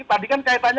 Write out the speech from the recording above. tadi kan kaitannya